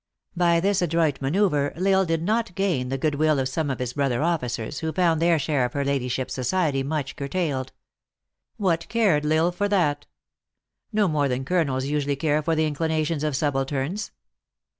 By this adroit manoeuvre, L Isle did not gain the good will of some of his brother officers, who found their share of her ladyship s society much curtailed. "What cared L Isle for that ? No more than colonels usually care for the inclinations of subalterns.